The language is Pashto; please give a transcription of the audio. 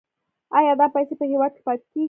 آیا دا پیسې په هیواد کې پاتې کیږي؟